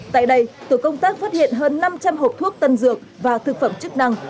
tại đây tổ công tác phát hiện hơn năm trăm linh hộp thuốc tân dược và thực phẩm chức năng